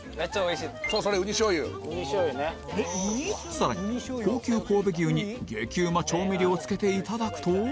更に高級神戸牛に激うま調味料を付けていただくと